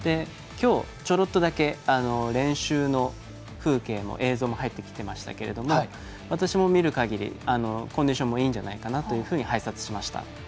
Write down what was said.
きょう、ちょろっとだけ練習の風景の映像も入ってきていましたけど私も見るかぎりコンディションもいいんじゃないかなというふうに拝察しました。